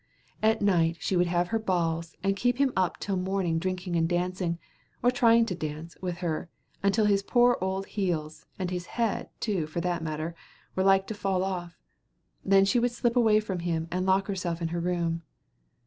At night she would have her balls, and keep him up till morning drinking and dancing, or trying to dance, with her, until his poor old heels, and his head, too, for that matter, were like to fall off; then she would slip away from him and lock herself in her room.